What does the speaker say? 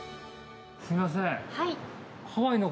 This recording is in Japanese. すみません。